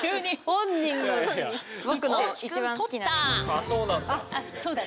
あそうなんだ。